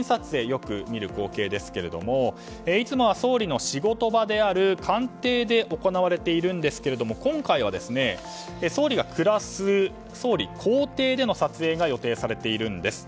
よく見る光景ですがいつもは総理の仕事場である官邸で行われているんですけれども今回は、総理が暮らす総理公邸での撮影が予定されているんです。